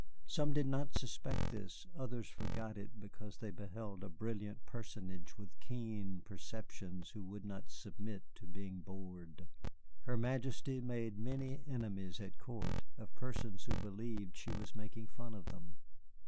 Some did not suspect this, others forgot it because they beheld a brilliant personage with keen perceptions who would not submit to being bored. Her Majesty made many enemies at court of persons who believed she was making fun of them.